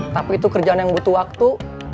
tapi itu kerjaan yang butuh waktu